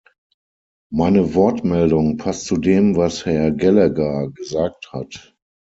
Meine Wortmeldung passt zu dem, was Herr Gallagher gesagt hat.